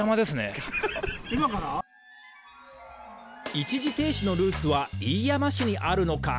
一時停止のルーツは飯山市にあるのか。